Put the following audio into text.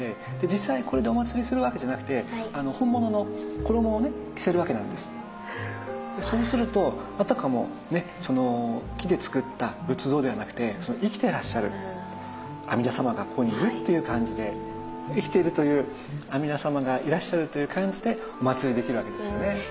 実際にこれでおまつりするわけじゃなくてそうするとあたかもね木でつくった仏像ではなくて生きてらっしゃる阿弥陀様がここにいるっていう感じで生きているという阿弥陀様がいらっしゃるという感じでおまつりできるわけですよね。